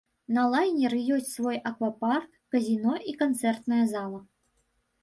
На лайнеры ёсць свой аквапарк, казіно і канцэртная зала.